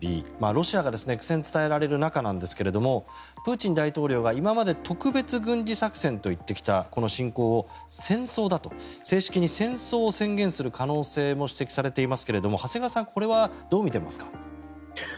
ロシアの苦戦が伝えられる中なんですがプーチン大統領が今まで特別軍事作戦と言ってきたこの侵攻を戦争だと正式に戦争を宣言する可能性も指摘されていますが長谷川さん、これはどう見ていますか？